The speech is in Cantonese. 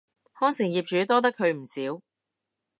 康城業主多得佢唔少